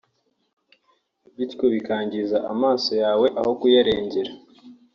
bityo bikangiza amaso yawe aho kuyarengera